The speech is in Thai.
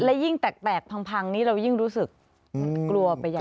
และยิ่งแตกพังนี้เรายิ่งรู้สึกกลัวไปใหญ่